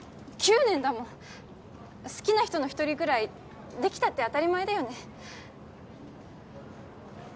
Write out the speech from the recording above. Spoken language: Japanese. ９年だもん好きな人の一人くらいできたって当たり前だよね